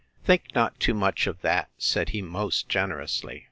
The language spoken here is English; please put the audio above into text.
Think not too much of that, said he most generously.